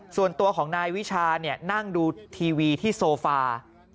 ส่วนตัวของนายวิชานั่งดูทีวีที่โซฟา